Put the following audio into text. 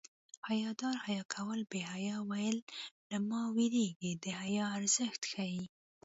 حیادار حیا کوله بې حیا ویل له ما وېرېږي د حیا ارزښت ښيي